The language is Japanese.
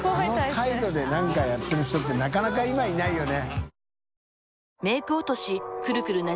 海梁崚戮なんかやってる人ってなかなか今いないよね。